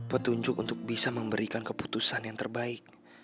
petunjuk untuk bisa memberikan keputusan yang terbaik